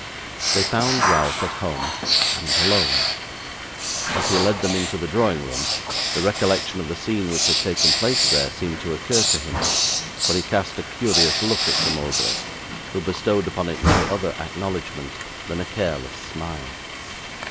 They found Ralph at home, and alone. As he led them into the drawing room, the recollection of the scene which had taken place there seemed to occur to him, for he cast a curious look at Sir Mulberry, who bestowed upon it no other acknowledgment than a careless smile.